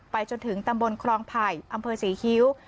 จนถึงตำบลครองไผ่อำเภอศรีคิ้ว